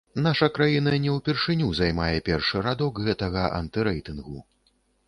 Наша краіна не ўпершыню займае першы радок гэтага антырэйтынгу.